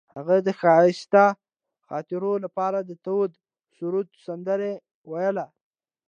هغې د ښایسته خاطرو لپاره د تاوده سرود سندره ویله.